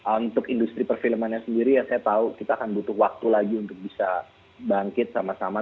untuk industri perfilmannya sendiri ya saya tahu kita akan butuh waktu lagi untuk bisa bangkit sama sama